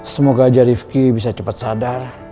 semoga aja rifqi bisa cepet sadar